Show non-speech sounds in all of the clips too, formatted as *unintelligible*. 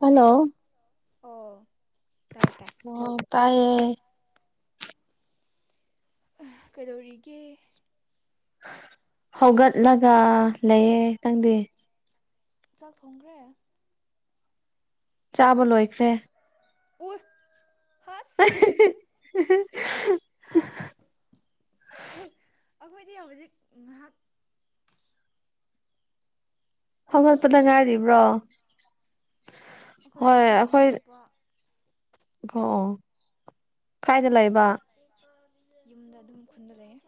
hello ꯑꯣ ꯇꯥꯏ ꯇꯥꯏ ꯑꯣ ꯇꯥꯏꯌꯦ ꯀꯩꯗꯧꯔꯤꯒꯦ ꯍꯧꯒꯠꯂꯒ ꯂꯩꯌꯦ ꯅꯪꯗꯤ ꯆꯥꯛ ꯊꯣꯡꯈ꯭ꯔꯦ ꯆꯥꯕ ꯂꯣꯏꯈ꯭ꯔꯦ ꯎ ꯍꯥꯁ ꯍꯣꯏ ꯑꯩꯈꯣꯏꯗꯤ ꯍꯧꯖꯤꯛ ꯉꯥꯏꯍꯥꯛ ꯄꯨꯡ ꯍꯧꯒꯠꯄꯗ ꯁꯤꯛꯁ ꯑꯗꯨꯋꯥꯏꯗ ꯉꯥꯏꯔꯤꯕ꯭ꯔꯣ ꯍꯧꯒꯠꯄꯅꯦ ꯑꯩꯈꯣꯏꯔꯣ ꯍꯣꯏ ꯏ ꯑꯩꯈꯣꯏ ꯏꯅꯥꯎꯅꯨꯄꯥ ꯑꯣ ꯀꯥꯏꯗ ꯂꯩꯕ ꯌꯨꯝꯗ ꯑꯗꯨꯝ ꯈꯨꯟꯗ ꯂꯩꯑꯦ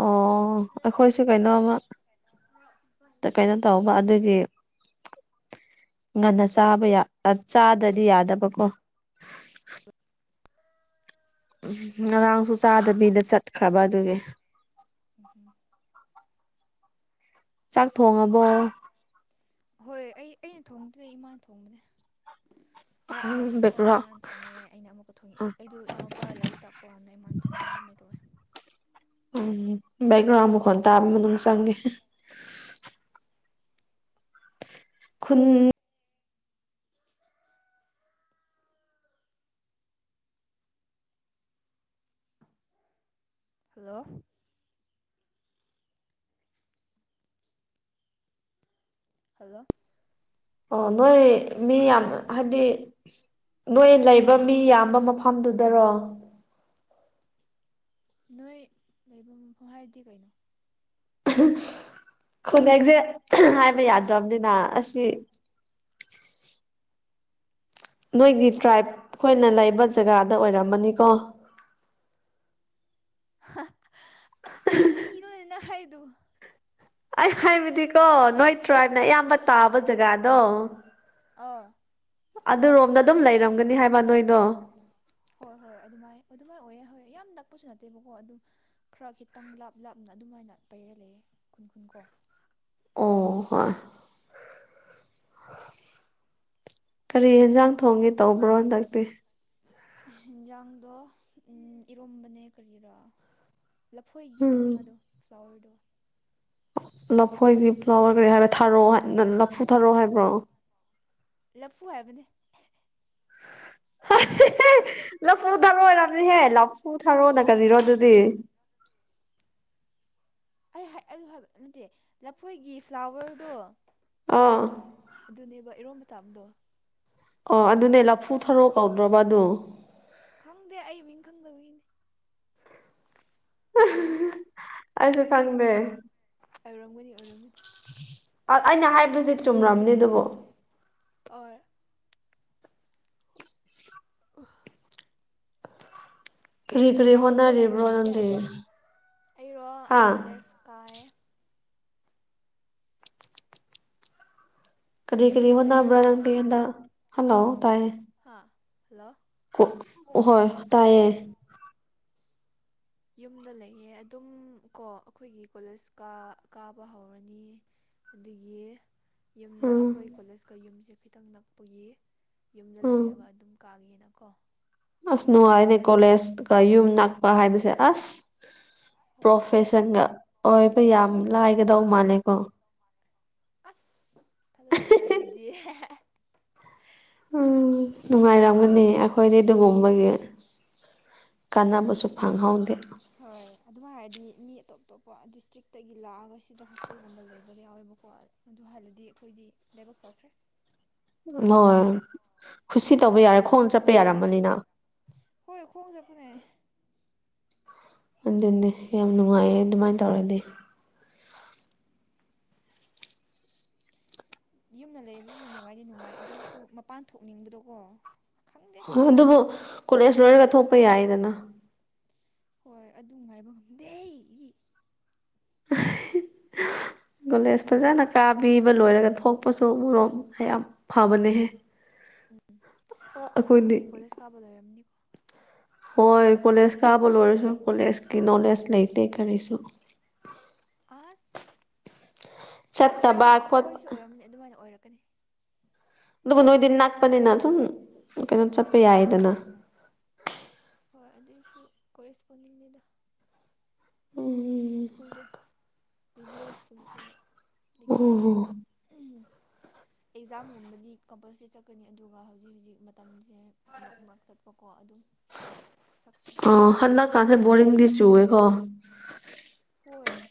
ꯑꯣ ꯑꯩꯈꯣꯏꯁꯨ ꯀꯩꯅꯣꯝꯃ ꯀꯩꯅꯣ ꯇꯧꯕ ꯑꯗꯨꯒꯤ ꯉꯟꯅ ꯆꯥꯕ ꯌꯥ ꯆꯥꯗ꯭ꯔꯗꯤ ꯌꯥꯗꯕꯀꯣ ꯎ ꯉꯔꯥꯡꯁꯨ ꯆꯥꯗꯕꯤꯗ ꯆꯠꯈ꯭ꯔꯕ ꯑꯗꯨꯒꯤ ꯎꯝ ꯍꯨꯝ ꯆꯥꯛ ꯊꯣꯡꯉꯕꯣ ꯍꯣꯏ ꯑꯩ ꯑꯩꯅ ꯊꯣꯡꯗ꯭ꯔꯤ ꯏꯃꯥꯅ ꯊꯣꯡꯕꯅꯦ ꯃꯔꯛ ꯃꯔꯛꯀꯣ ꯕꯦꯛꯒ꯭ꯔꯥꯎꯟ ꯏꯃꯥꯟ ꯊꯣꯡꯉꯦ ꯑꯩꯅ ꯑꯃꯨꯛꯀ ꯊꯣꯡꯉꯛꯑ ꯑꯩꯗꯣ ꯏꯅꯥꯎꯄꯥꯒ ꯂꯥꯏꯔꯤꯛ ꯇꯥꯛꯄꯀꯟꯗ ꯏꯃꯥꯟ ꯊꯣꯡꯉꯦ ꯑꯗꯨꯃꯥꯏꯅ ꯇꯧꯋꯦ ꯎꯝ ꯕꯦꯛꯒ꯭ꯔꯥꯎꯟ ꯃꯈꯣꯟ ꯇꯥꯕ ꯃꯅꯨꯡ ꯆꯪꯒꯦ ꯈꯨꯟ *inaudible* ꯍꯜꯂꯣ ꯍꯜꯂꯣ ꯑꯣ ꯅꯣꯏ ꯃꯤ ꯌꯥꯝ ꯍꯥꯏꯕꯗꯤ ꯅꯣꯏ ꯂꯩꯕ ꯃꯤ ꯌꯥꯝꯕ ꯃꯐꯝꯗꯨꯗꯔꯣ ꯅꯣꯏ ꯂꯩꯕ ꯃꯐꯝ ꯍꯥꯏꯕꯗꯤ ꯀꯩꯅꯣ ꯈꯨꯅ ꯑꯦꯛꯖꯦꯛ ꯍꯥꯏꯕ ꯌꯥꯗ꯭ꯔꯕꯅꯤꯅ ꯑꯁꯤ ꯅꯣꯏꯒꯤ ꯇ꯭ꯔꯥꯏꯕ ꯈꯣꯏꯅ ꯂꯩꯕ ꯖꯒꯥꯗ ꯑꯣꯏꯔꯝꯃꯅꯤꯀꯣ ꯀꯔꯤꯅꯣꯅꯦ ꯅꯪ ꯍꯥꯏꯔꯤꯗꯣ ꯑꯩ ꯍꯥꯏꯕꯗꯤꯀꯣ ꯅꯣꯏ ꯇ꯭ꯔꯥꯏꯞꯅ ꯑꯌꯥꯝꯕ ꯇꯥꯕ ꯖꯒꯥꯗꯣ ꯑꯣ ꯑꯗꯨ ꯔꯣꯝꯗ ꯑꯗꯨꯝ ꯂꯩꯔꯝꯒꯅꯤ ꯍꯥꯏꯕ ꯅꯣꯏꯗꯣ ꯍꯣꯏ ꯍꯣꯏ ꯑꯗꯨꯃꯥꯏ ꯑꯗꯨꯃꯥꯏꯅ ꯑꯣꯏꯌꯦ ꯍꯣꯏ ꯌꯥꯝ ꯅꯛꯄꯁꯨ ꯅꯠꯇꯦꯕꯀꯣ ꯑꯗꯨꯝ ꯈꯔ ꯈꯤꯇꯪ ꯂꯥꯞ ꯂꯥꯞꯅ ꯑꯗꯨꯃꯥꯏꯅ ꯄꯩꯔ ꯂꯩꯌꯦ ꯈꯨꯟ ꯈꯨꯟ ꯀꯣ ꯑꯣ ꯍꯣꯏ ꯀꯔꯤ ꯌꯦꯟꯖꯥꯡ ꯊꯣꯡꯒꯦ ꯇꯧꯕ꯭ꯔꯣ ꯍꯟꯗꯛꯇꯤ ꯌꯦꯟꯖꯥꯡꯗꯣ ꯏꯔꯣꯝꯕꯅꯦ ꯀꯔꯤꯔꯥ ꯂꯐꯣꯏꯒꯤ ꯎꯝ ꯀꯩꯅꯣꯃꯗꯣ ꯐ꯭ꯂꯥꯋꯔꯗꯣ ꯂꯐꯣꯏꯒꯤ ꯐ꯭ꯂꯥꯋꯔ ꯍꯥꯏꯔ ꯊꯥꯔꯣ ꯂꯐꯨ ꯊꯥꯔꯣ ꯍꯥꯏꯕ꯭ꯔꯣ ꯂꯐꯨ ꯍꯥꯏꯕꯅꯦ ꯂꯐꯨ ꯊꯥꯔꯣ ꯑꯣꯏꯔꯝꯅꯤꯍꯦ ꯂꯐꯨ ꯊꯥꯔꯣꯅ ꯀꯔꯤꯔꯣ ꯑꯗꯨꯗꯤ ꯑꯩ ꯍꯥꯏꯕ ꯅꯠꯇꯦ ꯂꯐꯣꯏꯒꯤ ꯐ꯭ꯂꯥꯋꯔꯗꯣ ꯑꯥ ꯑꯗꯨꯅꯦꯕ ꯏꯔꯣꯝ ꯆꯥꯕꯗꯣ ꯑꯣ ꯑꯗꯨꯅꯦ ꯂꯐꯨ ꯊꯔꯣ ꯀꯧꯗ꯭ꯔꯣꯕ ꯑꯗꯨ ꯈꯪꯗꯦ ꯑꯩ ꯃꯤꯡ ꯈꯪꯗꯕꯒꯤꯅꯦ ꯑꯣꯏꯔꯝꯅꯤ ꯑꯩꯁꯨ ꯈꯪꯗꯦ ꯑꯣꯏꯔꯝꯒꯅꯤ ꯑꯣꯏꯔꯝꯒꯅꯤ ꯑ ꯑꯩꯅ ꯍꯥꯏꯕꯗꯨꯗꯤ ꯆꯨꯝꯔꯝꯅꯤ ꯑꯗꯨꯕꯨ ꯍꯣꯏ *unintelligible* ꯀꯔꯤ ꯀꯔꯤ ꯐꯨꯠꯕꯣꯜꯒꯨꯝꯕ ꯍꯣꯠꯅꯔꯤꯕ꯭ꯔꯣ ꯌꯦꯡꯗꯦ ꯅꯪꯗꯤ ꯑꯩꯔꯣ ꯍꯥ ꯀꯣꯂꯦꯖ ꯀꯥꯏ ꯀꯔꯤ ꯀꯔꯤ ꯌꯨꯝꯗ ꯍꯣꯠꯅꯕ꯭ꯔ ꯂꯩꯔꯒ ꯅꯪꯗꯤ ꯍꯟꯗꯛ ꯍꯜꯂꯣ ꯇꯥꯏꯌꯦ ꯍꯥ ꯍꯜꯂꯣ ꯍꯣꯏ ꯇꯥꯏꯌꯦ ꯌꯨꯝꯗ ꯂꯩꯌꯦ ꯑꯗꯨꯝ ꯀꯣ ꯑꯈꯣꯏꯒꯤ ꯀꯣꯂꯦꯖ ꯀ ꯀꯥꯕ ꯍꯧꯔꯅꯤ ꯑꯗꯒꯤ ꯌꯨꯝꯗ ꯎꯝ ꯑꯈꯣꯏ ꯀꯣꯂꯦꯖꯀ ꯌꯨꯝꯁꯦ ꯈꯤꯇꯪ ꯅꯛꯄꯒꯤ ꯌꯨꯝꯗ ꯎꯝ ꯂꯩꯔꯒ ꯑꯗꯨꯝ ꯀꯥꯒꯤꯅꯀꯣ ꯑꯁ ꯅꯨꯡꯉꯥꯏꯅꯦ ꯀꯣꯂꯦꯖꯀ ꯌꯨꯝ ꯅꯛꯄ ꯍꯥꯏꯕꯁꯦ ꯑꯁ ꯍꯣꯏ ꯄ꯭ꯔꯣꯐꯦ ꯆꯪꯒ ꯑꯣꯏꯕ ꯌꯥꯝ ꯂꯥꯏꯒꯗꯧ ꯃꯥꯜꯂꯦ ꯀꯣ ꯑꯁ ꯊꯥꯖꯗꯦꯗ ꯑꯗꯨꯗꯤ ꯎꯝ ꯅꯨꯡꯉꯥꯏꯔꯝꯒꯅꯤ ꯑꯈꯣꯏꯗꯤ ꯑꯗꯨꯒꯝꯕꯒꯤ ꯀꯥꯟꯅꯕꯁꯨ ꯐꯪꯍꯧꯗꯦ ꯍꯣꯏ ꯑꯗꯨꯝ ꯍꯥꯏꯔꯗꯤ ꯃꯤ ꯑꯇꯣꯞ ꯑꯇꯣꯞꯄ ꯗꯤꯁꯇ꯭ꯔꯤꯛꯇꯒꯤ ꯂꯥꯛꯑꯒ ꯁꯤꯗ ꯍꯣꯁꯇꯦꯜꯒꯨꯝꯕ ꯂꯩꯕ ꯌꯥꯎꯋꯦꯕꯀꯣ ꯑꯗꯨ ꯍꯜꯂꯗꯤ ꯑꯈꯣꯏꯗꯤ ꯂꯥꯏꯕꯛ ꯐꯈ꯭ꯔꯦ ꯍꯣꯏ ꯈꯨꯁꯤ ꯇꯧꯕ ꯌꯥꯔꯦ ꯈꯣꯡ ꯆꯠꯄ ꯌꯥꯔꯃꯅꯤꯅ ꯍꯣꯏ ꯈꯣꯡꯖꯕꯅꯦ ꯑꯗꯨꯅꯦ ꯌꯥꯝ ꯅꯨꯡꯉꯥꯏꯌꯦ ꯑꯗꯨꯃꯥꯏ ꯇꯧꯔꯗꯤ ꯌꯨꯝꯗ ꯂꯩꯕꯁꯨ ꯅꯨꯡꯉꯥꯏꯗꯤ ꯅꯨꯡꯉꯥꯏ ꯑꯗꯨꯏꯁꯨ ꯃꯄꯥꯟ ꯊꯣꯛꯅꯤꯡꯕꯗꯣꯀꯣ ꯈꯪꯗꯦ ꯍꯣ ꯑꯗꯨꯕꯨ ꯀꯣꯂꯦꯖ ꯂꯣꯏꯔꯒ ꯊꯣꯛꯄ ꯌꯥꯏꯗꯅ ꯍꯣꯏ ꯑꯗꯨ ꯉꯥꯏꯕ ꯉꯝꯗꯦ ꯀꯣꯂꯦꯖ ꯐꯖꯅ ꯀꯥꯕꯤꯕ ꯂꯣꯏꯔꯒ ꯊꯣꯛꯄꯁꯨ ꯑꯃꯣ ꯌꯥꯝ ꯐꯕꯅꯦꯍꯦ ꯎꯝ ꯑꯩꯈꯣꯏꯗꯤ ꯅꯪꯗꯤ ꯀꯣꯂꯦꯖ ꯀꯥꯕ ꯂꯣꯏꯔꯝꯅꯤꯀꯣ ꯍꯣꯏ ꯀꯣꯂꯦꯖ ꯀꯥꯕ ꯂꯣꯏꯔꯁꯨ ꯀꯣꯂꯦꯖꯀꯤ ꯅꯣꯂꯦꯖ ꯂꯩꯇꯦ ꯀꯔꯤꯁꯨ ꯑꯁ ꯀꯝ ꯆꯠꯇꯕ ꯀꯥꯏꯗꯦ ꯈꯣꯠꯄ ꯑꯈꯣꯏꯁꯨ ꯑꯣꯏꯔꯝꯕꯅꯤ ꯑꯗꯨꯃꯥꯏꯅ ꯑꯣꯏꯔꯛꯀꯅꯤ ꯑꯗꯨꯕꯨ ꯅꯣꯏꯗꯤ ꯅꯛꯄꯅꯤꯅ ꯁꯨꯝ ꯀꯩꯅꯣ ꯆꯠꯄ ꯌꯥꯏꯗꯅ ꯍꯣꯏ ꯑꯗꯨꯏꯁꯨ ꯀꯣꯔꯦꯁꯄꯣꯟꯗꯤꯡꯅꯤꯗ ꯎꯝ ꯁ꯭ꯀꯨꯜꯗ ꯔꯤꯒꯨꯂꯔ ꯁ꯭ꯀꯨꯜ ꯅꯠꯇꯦꯕ ꯑꯗꯒꯤ ꯑꯣ ꯑꯦꯖꯥꯝꯒꯨꯝꯕꯗꯤ ꯀꯝꯄꯜꯁꯔꯤ ꯆꯠꯀꯅꯤ ꯑꯗꯨꯒ ꯍꯧꯖꯤꯛ ꯍꯧꯖꯤꯛ ꯃꯇꯝꯁꯦ ꯃꯔꯛ ꯃꯔꯛ ꯆꯠꯄꯀꯣ ꯑꯗꯨꯝ ꯁꯛꯁꯦ ꯑꯣ ꯎꯍꯟꯁꯦꯕ ꯍꯟꯗꯛꯀꯥꯟꯁꯦ ꯕꯣꯔꯤꯡꯗꯤ ꯆꯨꯑꯦꯀꯣ ꯍꯣꯏ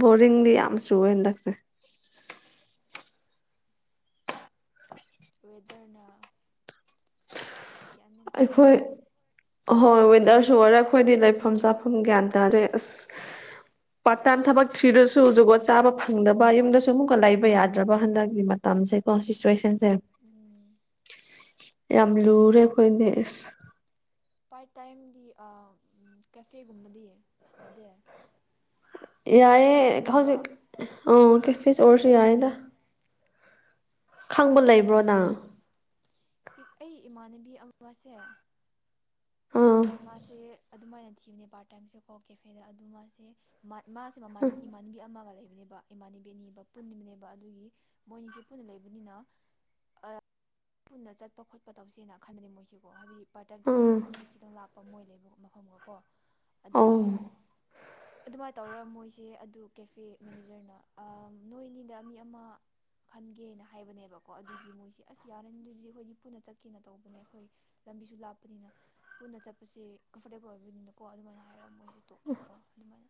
ꯕꯣꯔꯤꯡꯗꯤ ꯌꯥꯝ ꯆꯨꯋꯦ ꯍꯟꯗꯛꯁꯦ ꯋꯦꯗꯔꯅ ꯑꯁ ꯒ꯭ꯌꯥꯟ ꯃꯦꯟ ꯇꯥꯗꯦ ꯑꯩꯈꯣꯏ ꯋꯦꯗꯔꯁꯦ ꯑꯍꯣꯏ ꯋꯤꯟꯗꯔꯁꯨ ꯑꯣꯏꯔꯦ ꯑꯈꯣꯏꯗꯤ ꯂꯩꯐꯝ ꯆꯥꯐꯝ ꯒ꯭ꯌꯥꯟ ꯇꯥꯗꯦ ꯑꯁ ꯄꯥꯔꯠ ꯇꯥꯏꯝ ꯊꯕꯛ ꯊꯤꯔꯁꯨ ꯖꯨꯒꯣꯠ ꯆꯥꯕ ꯐꯪꯗꯕ ꯌꯨꯝꯗꯁꯨ ꯑꯃꯨꯛꯀ ꯂꯩ ꯕ ꯌꯥꯗ꯭ꯔꯕ ꯍꯟꯗꯛꯀꯤ ꯃꯇꯝꯁꯦꯀꯣ ꯁꯤꯆꯨꯋꯦꯁꯟꯁꯦ ꯎꯝ ꯌꯥꯝ ꯂꯨꯔꯦ ꯑꯈꯣꯏꯗꯤ ꯑꯁ ꯄꯥꯔꯠ ꯇꯥꯏꯝꯗꯤ ꯀꯦꯐꯦꯒꯨꯝꯕꯗꯤ ꯌꯥꯗꯦ ꯀꯤꯐꯦ ꯌꯥꯏꯌꯦ ꯒꯨꯝꯕ ꯍꯧꯖꯤꯛ ꯑꯥ ꯁꯣꯞꯄꯤꯡ ꯀꯦꯐꯦꯁ ꯑꯣꯏꯔꯁꯨ ꯏꯁꯇꯣꯔ ꯌꯥꯏꯌꯦꯗ ꯒꯨꯝꯕ ꯈꯪꯕ ꯂꯩꯕ꯭ꯔꯣ ꯅꯪ ꯑꯩ ꯏꯃꯥꯟꯅꯕꯤ ꯑꯃꯁꯦ ꯑꯥ ꯃꯥꯁꯦ ꯑꯗꯨꯃꯥꯏꯅ ꯊꯤꯕꯅꯦ ꯄꯥꯔꯠ ꯇꯥꯏꯝꯁꯦꯀꯣ ꯀꯦꯐꯦꯗ ꯑꯗꯨ ꯃꯥꯁꯦ ꯃꯥ ꯃꯥꯁꯦ ꯃꯃ ꯏꯃꯥꯟꯅꯕꯤ ꯑꯃꯒ ꯂꯩꯕꯅꯦꯕ ꯏꯃꯥꯅꯕꯤꯅꯤꯕ ꯄꯨꯟꯕꯅꯦꯕ ꯑꯗꯨꯒꯤ ꯃꯣꯏꯅꯤꯁꯦ ꯄꯨꯟꯅ ꯂꯩꯕꯅꯤꯅ ꯑ ꯄꯨꯟꯅ ꯆꯠꯄ ꯈꯣꯠꯄ ꯇꯧꯁꯦꯅ ꯈꯟꯕꯅꯦ ꯃꯣꯏꯁꯤꯀꯣ ꯍꯥꯏꯕꯗꯤ ꯄꯥꯔꯠ ꯇꯥꯏꯝ ꯇꯣꯛꯄ ꯑꯥ ꯃꯐꯝꯁꯦ ꯈꯤꯇꯪ ꯂꯥꯞꯄ ꯃꯣꯏ ꯂꯩꯕ ꯃꯐꯝꯒꯀꯣ ꯑꯣ ꯑꯗꯨꯒꯤ ꯑꯗꯨꯃꯥꯏꯅ ꯇꯧꯔ ꯃꯣꯏꯁꯦ ꯑꯗꯨ ꯀꯦꯐꯦ ꯃꯦꯅꯦꯖꯔꯅ ꯑ ꯅꯣꯏꯅꯤꯗ ꯃꯤ ꯑꯃ ꯈꯟꯒꯦꯅ ꯍꯥꯏꯕꯅꯦꯕꯀꯣ ꯑꯗꯨꯒꯤ ꯃꯣꯏꯁꯤ ꯑꯁ ꯌꯥꯔꯅꯤ ꯑꯗꯨꯗꯤ ꯑꯈꯣꯏꯗꯤ ꯄꯨꯟꯅ ꯆꯠꯀꯦꯅ ꯇꯧꯕꯅꯦ ꯑꯈꯣꯏ ꯂꯝꯕꯤꯁꯨ ꯂꯥꯞꯄꯅꯤꯅ ꯄꯨꯟꯅ ꯆꯠꯄꯁꯦ ꯀꯝꯐꯣꯔꯇꯦꯕꯜ ꯑꯣꯏꯕꯅꯤꯅꯀꯣ ꯑꯗꯨꯃꯥꯏꯅ ꯍꯥꯏꯔ ꯃꯣꯏꯁꯦ ꯇꯣꯛꯄꯀꯣ ꯑꯗꯨꯃꯥꯏꯅ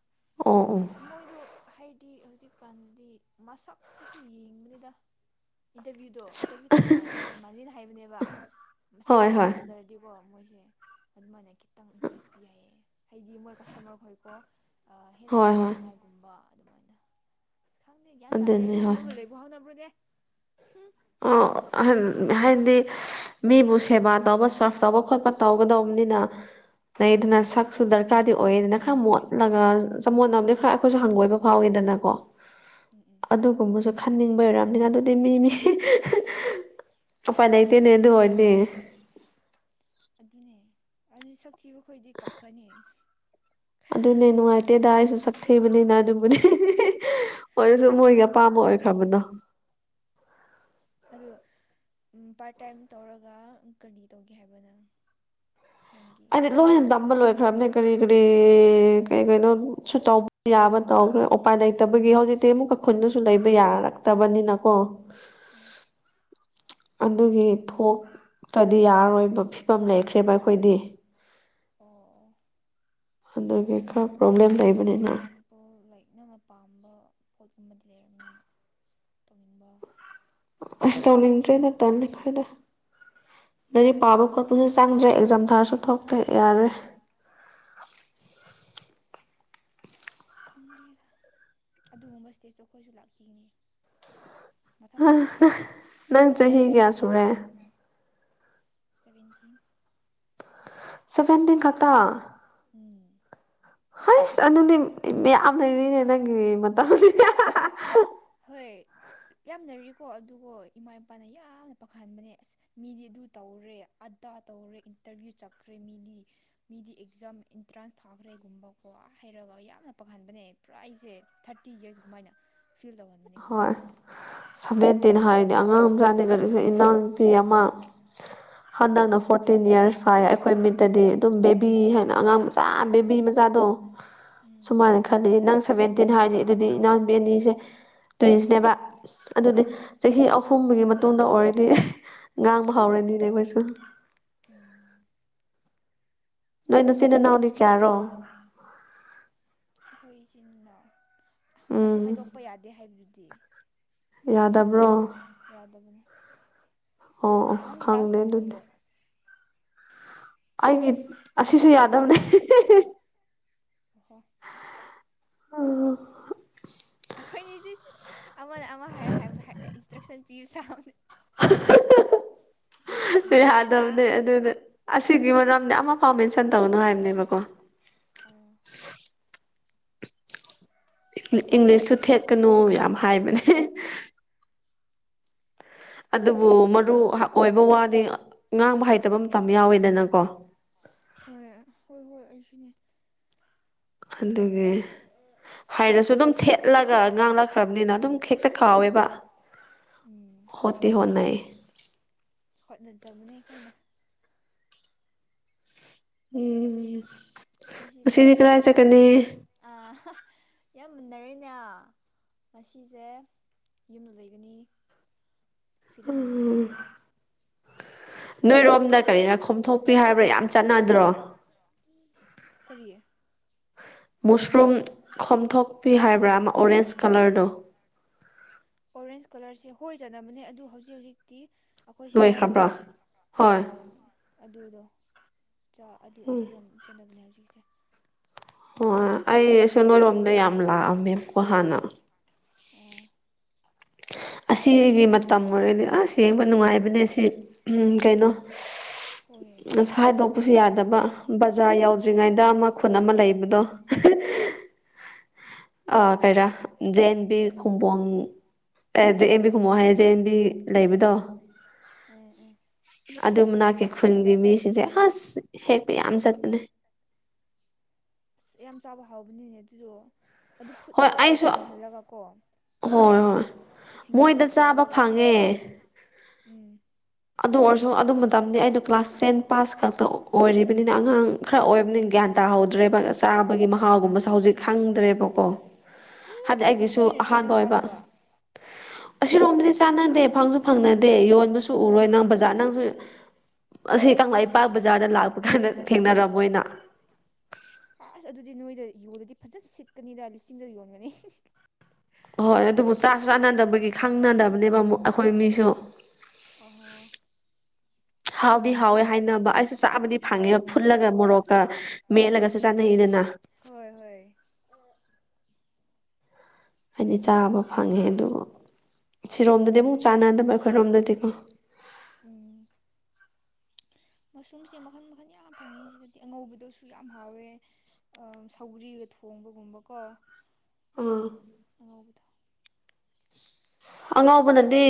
ꯑꯣ ꯑꯣ ꯑꯁ ꯃꯣꯏꯗꯣ ꯍꯥꯏꯗꯤ ꯍꯧꯖꯤꯛꯀꯥꯟꯗꯗꯤ ꯃꯁꯛꯇꯁꯨ ꯌꯦꯡꯕꯅꯤꯗ ꯏꯟꯇꯔꯚꯤꯌꯨꯗꯣ ꯏꯟꯇꯔꯚꯤꯌꯨ ꯇꯧꯕ ꯀꯥꯟꯗꯒꯣ ꯏꯃꯥꯟꯅꯕꯤꯅ ꯍꯥꯏꯕꯅꯦꯕ ꯃꯁꯛ ꯍꯣꯏ ꯈꯤꯇꯪ ꯍꯣꯏ ꯐꯖꯔ ꯗꯤꯀꯣ ꯃꯣꯏꯁꯦ ꯑꯗꯨꯃꯥꯏꯅ ꯈꯤꯇꯪ ꯏꯟꯇꯔꯦꯁ ꯄꯤ ꯌꯥꯏꯌꯦ ꯍꯥꯏꯗꯤ ꯃꯣꯏ ꯀꯁꯇꯃꯔ ꯈꯣꯏꯀꯣ ꯑ ꯍꯦꯟꯅ ꯍꯣꯏ ꯍꯣꯏ ꯂꯥꯛꯅꯅꯤꯉꯥꯏꯒꯨꯝꯕ ꯑꯗꯨꯃꯥꯏꯅ ꯑꯁ ꯈꯪꯗꯦ ꯒ꯭ꯌꯥꯟ ꯇꯥꯗꯦ ꯑꯗꯨꯅꯤ ꯍꯣꯏ ꯑꯗꯨꯒꯨꯝꯕꯕꯨ ꯂꯩꯕꯨ ꯍꯧꯅꯕ꯭ꯔꯣꯅꯦ ꯑꯣ ꯍꯟ ꯍꯥꯏꯗꯤ ꯃꯤꯕꯨ ꯁꯦꯕꯥ ꯇꯧꯕ ꯁꯐ ꯇꯧꯕ ꯈꯣꯠꯄ ꯇꯧꯒꯗꯧꯕꯅꯤꯅ ꯂꯩꯗꯅ ꯁꯛ ꯁꯨ ꯗꯔꯀꯥꯔꯗꯤ ꯑꯣꯏꯌꯦꯗꯅ ꯈꯔ ꯍꯣꯏ ꯁꯛꯁꯨ ꯃꯣꯠꯂꯒ ꯗꯔꯀꯥꯔꯗꯤ ꯑꯣꯏꯌꯦ ꯆꯃꯣꯠꯅꯕꯗꯤ ꯈꯔ ꯑꯈꯣꯏꯁꯨ ꯍꯪꯒꯣꯏꯕ ꯐꯥꯎꯋꯦꯗꯅ ꯀꯣ ꯎꯝ ꯎꯝ ꯑꯗꯨꯒꯨꯝꯕꯁꯨ ꯈꯟꯅꯤꯡꯕꯩ ꯑꯣꯏꯔꯝꯅꯤꯅ ꯑꯗꯨꯗꯤ ꯃꯤ ꯃꯤ ꯎꯄꯥꯏꯂꯩꯇꯦꯅꯦ ꯑꯗꯨꯑꯣꯏꯔꯤ ꯑꯗꯨꯅꯦ ꯑꯗꯨ ꯁꯛꯊꯤꯕ ꯑꯈꯣꯏꯗꯤ ꯀꯞꯈ꯭ꯔꯅꯤ ꯑꯗꯨꯅꯦ ꯅꯨꯡꯉꯥꯏꯇꯦꯗ ꯑꯩꯁꯨ ꯁꯛꯊꯤꯕꯅꯤꯅ ꯑꯗꯨꯕꯨꯅꯦ ꯑꯣꯏꯔꯁꯨ ꯑꯥ ꯃꯣꯏꯒꯤ ꯑꯄꯥꯝꯕ ꯑꯣꯏ ꯈ꯭ꯔꯃꯅꯣ ꯑꯗꯣ ꯎꯝ ꯄꯥꯔꯠ ꯇꯥꯏꯝ ꯇꯧꯔꯒ ꯀꯔꯤ ꯇꯧꯒꯦ ꯍꯥꯏꯕ ꯅꯪ ꯅꯪꯒꯤ ꯑꯩꯗꯤ ꯂꯣꯏꯅ ꯑꯁꯦꯡꯕ ꯇꯝꯕ ꯑꯦꯝ ꯏꯟ ꯂꯣꯏꯈ꯭ꯔꯕꯅꯦ ꯂꯥꯏꯐ ꯀꯔꯤ ꯀꯔꯤ ꯀꯩ ꯀꯩꯅꯣꯁꯨ ꯇꯧꯕ ꯌꯥꯕ ꯇꯧꯈ꯭ꯔꯦ ꯎꯄꯥꯏ ꯂꯩ ꯇꯕꯒꯤ ꯍꯧꯖꯤꯛꯇꯤ ꯑꯃꯨꯛꯀꯥ ꯈꯨꯟꯗꯨꯁꯨ ꯂꯩꯕ ꯌꯥꯔꯛꯇꯕꯅꯤꯅꯀꯣ ꯎꯝ ꯑꯗꯨꯒꯤ ꯊꯣꯛꯇꯔꯗꯤ ꯌꯥꯔꯔꯣꯏꯕ ꯐꯤꯕꯝ ꯂꯩꯈ꯭ꯔꯦꯕ ꯑꯩꯈꯣꯏꯗꯤ ꯑꯣ ꯑꯣ ꯑꯗꯨꯒꯤ ꯈꯔ ꯄ꯭ꯔꯣꯕ꯭ꯂꯦꯝ ꯂꯩꯕꯅꯤꯅ ꯑꯣꯜ ꯂꯥꯏꯛ ꯅꯪꯅ ꯄꯥꯝꯕ ꯄꯣꯠꯀꯨꯝꯕꯗꯤ ꯂꯩꯔꯝꯅꯤꯅ ꯇꯧꯅꯤꯡꯕ ꯑꯁ ꯇꯧꯅꯤꯡꯗ꯭ꯔꯦꯗ ꯇꯜꯂꯤꯈ꯭ꯔꯦꯗ ꯅꯥꯏꯔꯤꯛ ꯄꯥꯕ ꯈꯣꯠꯄꯁꯨ ꯆꯪꯗ꯭ꯔꯦ ꯑꯦꯛꯖꯥꯝ ꯊꯥꯔꯁꯨ ꯊꯣꯛꯇꯦ ꯌꯥꯔꯦ ꯈꯪꯗ꯭ꯔꯦꯗ ꯑꯗꯨꯒꯨꯝꯕ ꯁ꯭ꯇꯦꯖꯇꯣ ꯑꯈꯣꯏꯁꯨ ꯂꯥꯛꯈꯤꯅꯤ ꯅꯪ ꯆꯍꯤ ꯀꯌꯥ ꯁꯨꯔꯦ ꯁꯚꯦꯟꯇꯤꯟ ꯁꯚꯦꯟꯇꯤꯟ ꯈꯛꯇ ꯎꯝ ꯍꯣꯏꯁ ꯑꯗꯨꯗꯤ ꯃꯌꯥꯝ ꯂꯩꯔꯤꯅꯦ ꯅꯪꯒꯤꯗꯤ ꯃꯇꯝ ꯍꯣꯏ ꯌꯥꯝꯅꯔꯤꯀꯣ ꯑꯗꯨꯒꯣ ꯏꯃꯥ ꯏꯄꯥꯅ ꯌꯥꯝꯅ ꯄꯥꯛꯍꯟꯕꯅꯦ ꯑꯁ ꯃꯤꯗꯤ ꯑꯗꯨ ꯇꯧꯔꯦ ꯑꯗꯥ ꯇꯧꯔꯦ ꯏꯟꯇꯔꯚ꯭ꯌꯨ ꯆꯠꯈ꯭ꯔꯦ ꯃꯤꯗꯤ ꯃꯤꯗꯤ ꯑꯦꯛꯖꯥꯝ ꯑꯦꯟꯇ꯭ꯔꯥꯟꯁ ꯊꯥꯈ꯭ꯔꯦꯒꯨꯝꯕꯀꯣ ꯍꯥꯏꯔꯒ ꯌꯥꯝꯅ ꯄꯪꯍꯟꯕꯅꯦ ꯄꯨꯔꯥ ꯑꯩꯁꯦ ꯊꯥꯔꯇꯤ ꯌꯔꯁ ꯀꯃꯥꯏꯅ ꯐꯤꯜ ꯇꯧꯍꯟꯕꯅꯦ ꯈꯪꯕ꯭ꯔꯥ ꯒ꯭ꯌꯥꯟ ꯁꯚꯦꯟꯇꯦꯟ ꯇꯥꯗꯦ ꯍꯥꯏ ꯗꯤ ꯑꯉꯥꯡ ꯃꯆꯥꯗ ꯀꯔꯤꯁꯨ ꯏꯅꯥꯎꯅꯨꯄꯤ ꯑꯃ ꯍꯟꯗꯛꯅ ꯐꯣꯔꯇꯤꯟ ꯏꯔꯁ ꯐꯥꯏꯌꯦ ꯑꯩꯈꯣꯏ ꯃꯤꯠꯇꯗꯤ ꯑꯗꯨꯝ ꯕꯦꯕꯤ ꯍꯥꯏꯅ ꯑꯉꯥꯡ ꯃꯆꯥ ꯕꯦꯕꯤ ꯃꯆꯥꯗꯣ ꯎꯝ ꯁꯨꯃꯥꯏꯅ ꯈꯜꯂꯤ ꯅꯪ ꯁꯚꯦꯟꯇꯤꯟ ꯍꯥꯏꯗꯤ ꯑꯗꯨꯗꯤ ꯏꯅꯥꯎꯕꯤ ꯑꯅꯤꯁꯦ ꯇ꯭ꯌꯨꯟꯁꯅꯦꯕ ꯑꯗꯨꯗꯤ ꯆꯍꯤ ꯑꯍꯨꯝꯒꯤ ꯃꯇꯨꯡꯗ ꯑꯣꯏꯔꯗꯤ ꯉꯥꯡꯕ ꯍꯧꯔꯅꯤꯅꯦ ꯑꯈꯣꯏꯁꯨ ꯎꯝ ꯅꯣꯏ ꯅꯆꯤꯟ ꯅꯅꯥꯎꯅꯤ ꯀꯌꯥꯔꯣ ꯑꯈꯣꯏ ꯏꯆꯤꯟ ꯏꯅꯥꯎ ꯑꯗꯨ ꯎꯝ ꯍꯥꯏꯗꯣꯛꯄ ꯌꯥꯗꯦ ꯍꯥꯏꯕꯗꯨꯗꯤ ꯌꯥꯗꯕ꯭ꯔꯣ ꯌꯥꯗꯕꯅꯦ ꯑꯣ ꯑꯣ ꯅꯪꯒꯤ ꯇꯥꯛꯁ ꯈꯪꯗꯦ ꯂꯣꯏꯈ꯭ꯔꯕꯣ ꯑꯗꯨꯗꯤ ꯑꯩꯒꯤ ꯑꯁꯤꯁꯨ ꯌꯥꯗꯕꯅꯦ ꯑꯣꯍꯣ ꯍꯥ ꯑꯈꯣꯏꯅꯤꯖꯤꯁ ꯑꯃꯅ ꯑꯃ ꯍꯥꯏꯔꯣ ꯍꯥꯏꯕ ꯏꯟꯁꯇ꯭ꯔꯛꯁꯟ ꯄꯤꯌꯨ ꯁꯥꯕꯅꯦ ꯅꯣꯛꯅꯤꯡꯉꯦꯗ ꯌꯥꯗꯕꯅꯦ ꯑꯗꯨꯅ ꯑꯁꯤꯒꯤ ꯃꯔꯝꯗꯤ ꯑꯃꯐꯥꯎ ꯃꯦꯟꯁꯟ ꯇꯧꯅꯨ ꯍꯥꯏꯕꯅꯦꯕꯀꯣ ꯑꯣ ꯏꯪꯂꯤꯁꯇꯨ ꯊꯦꯠꯀꯅꯨ ꯌꯥꯝ ꯍꯥꯏꯕꯅꯦ ꯑꯗꯨꯕꯨ ꯃꯔꯨ ꯍꯥ ꯑꯣꯏꯕ ꯋꯥꯗꯤ ꯉꯥꯡꯕ ꯍꯩꯇꯕ ꯃꯇꯝ ꯌꯥꯎꯋꯦꯗꯅꯀꯣ ꯍꯣꯏ ꯍꯣꯏ ꯍꯣꯏ ꯑꯩꯁꯨꯅꯦ ꯑꯗꯨꯒꯤ ꯍꯥꯏꯔꯁꯨ ꯑꯗꯨꯝ ꯊꯦꯠꯂꯒ ꯉꯥꯡꯂꯛꯈ꯭ꯔꯕꯅꯤꯅ ꯑꯗꯨꯝ ꯍꯦꯛꯇ ꯀꯥꯎꯋꯦꯕ ꯎꯝ ꯍꯣꯠꯇꯤ ꯍꯣꯠꯅꯩ ꯍꯣꯠꯅꯗꯕꯅꯦ ꯑꯈꯣꯏꯅ ꯎꯝ ꯉꯁꯤꯗꯤ ꯀꯗꯥꯏ ꯆꯠꯀꯅꯤ ꯑ ꯌꯥꯝ ꯃꯟꯅꯔꯦꯅꯦ ꯉꯁꯤꯁꯦ ꯌꯨꯝꯗ ꯂꯩꯒꯅꯤ ꯐꯤꯂꯝ ꯌꯦꯡꯒꯅꯤ ꯎꯝ ꯅꯣꯏꯔꯣꯝꯗ ꯀꯔꯤꯔ ꯈꯣꯝꯊꯣꯛꯄꯤ ꯍꯥꯏꯕ꯭ꯔꯥ ꯌꯥꯝ ꯆꯠꯅꯗ꯭ꯔꯣ ꯀꯔꯤ ꯃꯨꯁꯔꯨꯝ ꯈꯣꯝꯊꯣꯛꯄꯤ ꯍꯥꯏꯕ꯭ꯔꯥ ꯑꯃ ꯑꯣꯔꯦꯟꯁ ꯀꯂꯔꯗꯣ ꯑꯣꯔꯦꯟꯁ ꯀꯂꯔꯁꯦ ꯍꯣꯏ ꯆꯅꯕꯅꯦ ꯑꯗꯨ ꯍꯧꯖꯤꯛ ꯍꯧꯖꯤꯛꯇꯤ ꯑꯈꯣꯏꯁꯦ ꯂꯣꯏꯈ꯭ꯔꯕ꯭ꯔꯣ ꯑꯉꯧꯕꯗꯣ ꯍꯣꯏ ꯑꯣ ꯑꯗꯨꯗꯣ ꯆꯥ ꯑꯗꯨ ꯑꯗꯨ ꯎꯝ ꯌꯥꯝ ꯆꯥꯟꯅꯕꯅꯦ ꯍꯧꯖꯤꯛꯁꯦ ꯑꯣ ꯑꯩ ꯑꯩꯁꯨ ꯅꯣꯏꯔꯣꯝꯗ ꯌꯥꯝ ꯂꯥꯛꯑꯝꯃꯦꯕꯀꯣ ꯍꯥꯟꯅ ꯑꯣ ꯑꯁꯤꯒꯤ ꯃꯇꯝ ꯑꯣꯏꯔꯗꯤ ꯑꯁ ꯌꯦꯡꯕ ꯅꯨꯡꯉꯥꯏꯕꯅꯦ ꯁꯤ ꯎ ꯀꯩꯅꯣ ꯍꯣꯏ ꯑꯁ ꯍꯥꯏꯗꯣꯛꯄꯁꯨ ꯌꯥꯗꯕ ꯕꯖꯥꯔ ꯌꯥꯎꯗ꯭ꯔꯤꯉꯩꯗ ꯑꯃ ꯈꯨꯟ ꯑꯃ ꯂꯩꯕꯗꯣ ꯑ ꯀꯩꯔꯥ ꯖꯦ ꯑꯦꯟ ꯕꯤ ꯈꯨꯝꯕꯣꯡ ꯑꯦ ꯖ ꯑꯦꯟꯕꯤ ꯈꯨꯝꯕꯣꯡ ꯍꯥꯏꯌꯦ ꯖ ꯑꯦꯟ ꯕꯤ ꯂꯩꯕꯗꯣ ꯎꯝ ꯎꯝ ꯑꯗꯨ ꯃꯅꯥꯛꯀꯤ ꯈꯨꯟꯒꯤ ꯃꯤꯁꯤꯡꯁꯦ ꯑꯁ ꯍꯦꯛꯄ ꯌꯥꯝ ꯆꯠꯄꯅꯦ ꯑꯁ ꯌꯥꯝ ꯆꯥꯕ ꯍꯥꯎꯕꯅꯤꯅꯦ ꯑꯗꯨꯗꯣ ꯑꯗꯨ ꯍꯣꯏ ꯐꯨꯠꯂꯒ ꯀꯣ ꯑꯩꯁꯨ ꯀꯪꯍꯜꯂꯒ ꯀꯣ ꯍꯣꯏ ꯍꯣꯏ ꯁꯤꯡꯖꯨ ꯃꯣꯏꯗ ꯆꯥꯕ ꯇꯧꯔꯒ ꯐꯪꯉꯦ ꯎꯝ ꯑꯗꯨ ꯑꯣꯏꯔꯁꯨ ꯑꯗꯨ ꯃꯇꯝꯅꯤꯗꯤ ꯑꯩꯗꯣ ꯀ꯭ꯂꯥꯁ ꯇꯦꯟ ꯄꯥꯁ ꯈꯛꯇ ꯑꯣꯏꯔꯤꯕꯅꯤꯅ ꯑꯉꯥꯡ ꯈꯔ ꯑꯣꯏꯕꯅꯤ ꯒ꯭ꯌꯥꯟ ꯇꯥꯍꯧꯗ꯭ꯔꯦꯕ ꯆꯥꯕꯒꯤ ꯃꯍꯥꯎꯒꯨꯝꯕꯁꯦ ꯍꯧꯖꯤꯛ ꯈꯪꯗ꯭ꯔꯦꯕꯀꯣ ꯍꯥꯏꯕꯗꯤ ꯑꯁ ꯑꯩꯒꯤꯁꯨ ꯀꯨꯏꯈ꯭ꯔꯦꯅꯦ ꯑꯗꯨꯗꯤ ꯑꯍꯥꯟꯕ ꯅꯪ ꯑꯣꯏꯕ ꯆꯥꯗꯕ ꯑꯁꯤꯔꯣꯝꯗꯗꯤ ꯆꯥꯟꯅꯗꯦ ꯐꯪꯁꯨ ꯐꯪꯅꯗꯦ ꯌꯣꯟꯕꯁꯨ ꯎꯔꯣꯏ ꯅꯪ ꯕꯖꯥꯔ ꯅꯪꯁꯨ ꯑꯁꯤ ꯀꯪꯂꯩꯄꯥꯛ ꯕꯖꯥꯔꯗ ꯂꯥꯛꯄ ꯀꯥꯟꯗ ꯊꯦꯡꯅꯔꯝꯃꯣꯏꯅ ꯑꯁ ꯑꯗꯨꯗꯤ ꯅꯣꯏꯗ ꯌꯣꯜꯂꯗꯤ ꯐꯖꯅ ꯁꯤꯠꯀꯅꯤꯗ ꯂꯤꯁꯤꯡꯗ ꯌꯣꯟꯒꯅꯤ *unintelligible* ꯍꯣꯏ ꯑꯗꯨꯕꯨ ꯆꯥꯁꯨ ꯆꯥꯟꯅꯗꯕꯒꯤ ꯈꯪꯅꯗꯕꯅꯦꯕ ꯑꯃꯨꯛ ꯑꯈꯣꯏ ꯃꯤꯁꯨ *unintelligible* ꯍꯥꯎꯗꯤ ꯍꯥꯎꯋꯦ ꯍꯥꯏꯅꯕ ꯑꯩꯁꯨ ꯆꯥꯕꯗꯤ ꯐꯡꯉꯦꯕ ꯐꯨꯠꯂꯒ ꯃꯣꯔꯣꯛꯀ ꯃꯦꯠꯂꯒꯁꯨ ꯆꯥꯅꯩꯗꯅ ꯍꯣꯏ ꯍꯣꯏ ꯍꯥꯏꯗꯤ ꯆꯥꯕ ꯐꯪꯉꯦ ꯑꯗꯨꯕꯨ ꯁꯤꯔꯣꯝꯗꯗꯤ ꯑꯃꯨꯛ ꯆꯥꯟꯅꯗꯕ ꯑꯩꯈꯣꯏꯔꯣꯝꯗꯗꯤꯀꯣ ꯎꯝ ꯃꯁ꯭ꯔꯨꯝꯁꯦ ꯃꯈꯟ ꯃꯈꯟ ꯌꯥꯝ ꯐꯪꯉꯦ ꯁꯤꯗꯗꯤ ꯑꯉꯧꯕꯗꯨꯁꯨ ꯌꯥꯝ ꯍꯥꯎꯋꯦ ꯑꯥ ꯁꯧꯒ꯭ꯔꯤꯒ ꯊꯣꯡꯕꯒꯨꯝꯕꯀꯣ ꯑꯪ ꯑꯉꯧꯕꯗꯣ ꯑꯉꯧꯕꯅꯗꯤ